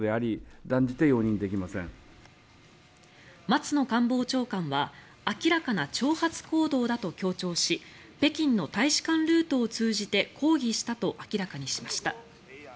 松野官房長官は明らかな挑発行動だと強調し北京の大使館ルートを通じて抗議したと明らかにしました。